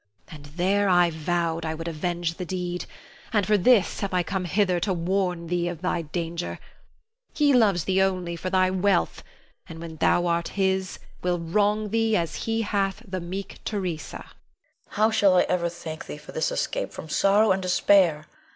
And there I vowed I would avenge the deed, and for this have I come hither to warn thee of thy danger. He loves thee only for thy wealth, and when thou art his, will wrong thee as he hath the meek Theresa. Leonore. How shall I ever thank thee for this escape from sorrow and despair?